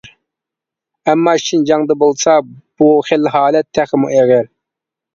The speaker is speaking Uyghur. ئەمما شىنجاڭدا بولسا بۇ خىل ھالەت تېخىمۇ ئېغىر.